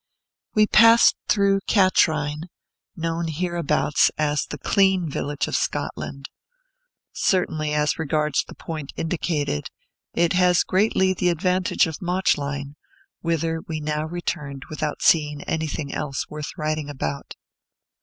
We passed through Catrine, known hereabouts as "the clean village of Scotland." Certainly, as regards the point indicated, it has greatly the advantage of Mauchline, whither we now returned without seeing anything else worth writing about.